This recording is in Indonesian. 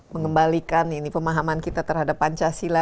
mengembalikan pemahaman kita terhadap pancasila